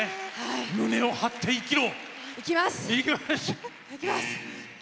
胸を張って生きろ！